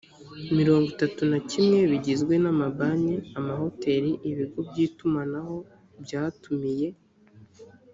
mirongo itatu na kimwe bigizwe n amabanki amahoteli ibigo by itumanaho byatumiye